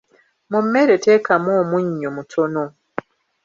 Mu mmere teekamu omunnyu mutono.